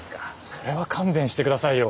それは勘弁してくださいよ。